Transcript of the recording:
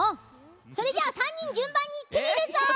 それじゃあ３にんじゅんばんにいってみるぞ！